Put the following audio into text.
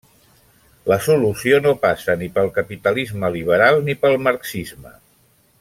La solució no passa ni pel capitalisme liberal ni pel marxisme.